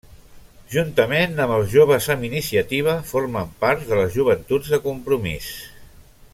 Juntament amb els Joves amb Iniciativa, formen part de les joventuts de Compromís.